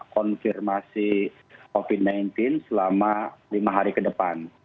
konfirmasi covid sembilan belas selama lima hari ke depan